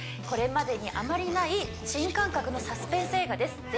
これまでにあまりない新感覚のサスペンス映画です